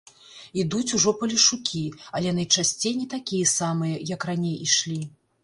Ідуць ужо палешукі, але найчасцей не такія самыя, як раней ішлі.